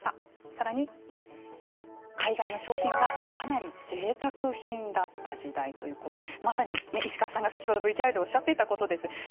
さらに、海外の商品はかなりぜいたく品だった時代ということでまさに石川さんが先ほどＶＴＲでおっしゃっていたことです。